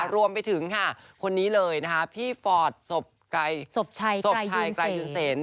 รวมไปถึงคนนี้เลยพี่ฟอร์ดศพชายไกลยุ้นเสน